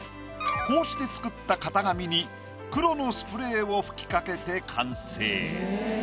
こうして作った型紙に黒のスプレーを吹き掛けて完成。